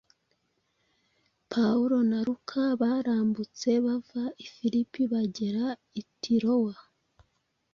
Pawulo na Luka barambutse bava i Filipi bagera i Tirowa